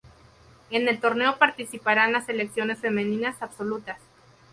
En el torneo participarán las selecciones femeninas absolutas.